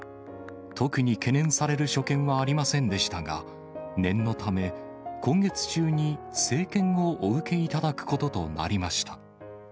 特に懸念される所見はありませんでしたが、念のため、今月中に生検をお受けいただくこととなりました。